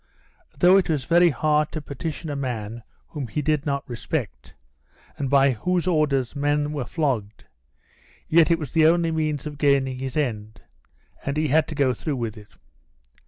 Though it was very hard to petition a man whom he did not respect, and by whose orders men were flogged, yet it was the only means of gaining his end, and he had to go through with it.